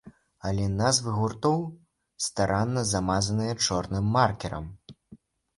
Але назвы гуртоў старанна замазаныя чорным маркерам!